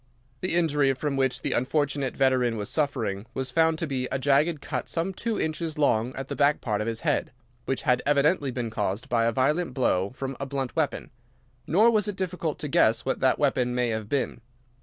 "The injury from which the unfortunate veteran was suffering was found to be a jagged cut some two inches long at the back part of his head, which had evidently been caused by a violent blow from a blunt weapon. Nor was it difficult to guess what that weapon may have been.